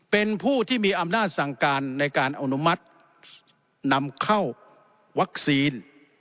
เป็นผู้ที่มีอำนาจสั่งการในการอนุมัตินำเข้าวัคซีน